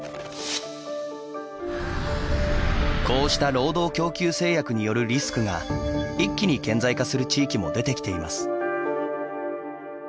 こうした労働供給制約によるリスクが一気に顕在化する地域も出てきています。